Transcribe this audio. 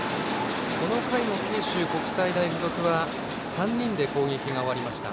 この回も九州国際大付属は３人で攻撃が終わりました。